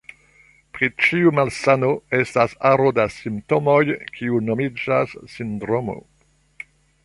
Pri ĉiu malsano estas aro da simptomoj, kiu nomiĝas sindromo.